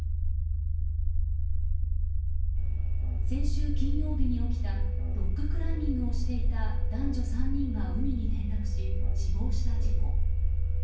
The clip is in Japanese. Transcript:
先週金曜日に起きたロッククライミングをしていた男女３人が海に転落し死亡した事故。